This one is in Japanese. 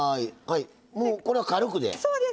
これは軽くで？